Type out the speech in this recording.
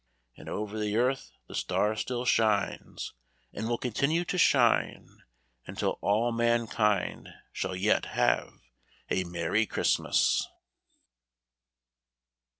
And over the earth the star still shines, and will continue to shine until all mankind shall yet have a "Merry Christmas."